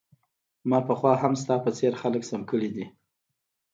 ما پخوا هم ستا په څیر خلک سم کړي دي